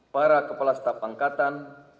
para kepala setap angkatan